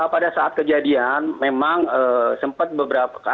pada saat kejadian memang sempat beberapa